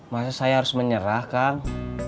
masa saya harus menyerah kang